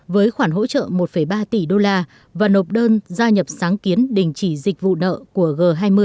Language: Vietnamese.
với khoản hỗ trợ một ba tỷ đô la và nộp đơn gia nhập sáng kiến đình chỉ dịch vụ nợ của g hai mươi